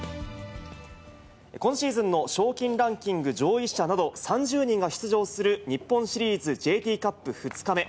今シーズンの賞金ランキング上位者など、３０人が出場する日本シリーズＪＴカップ２日目。